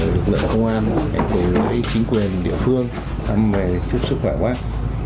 lực lượng công an với chính quyền địa phương thăm về chức sức khỏe quát